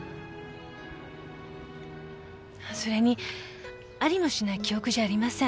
それにありもしない記憶じゃありません。